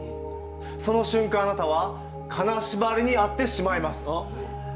その瞬間あなたは金縛りにあってしまいます。